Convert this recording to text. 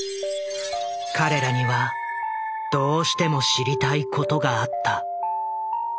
彼らにはどうしても知りたいことがあった。